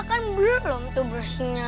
kan belum tuh brushingnya